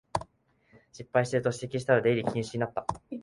失敗してると指摘したら出入り禁止になった